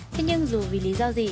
thế nhưng dù vì lý do gì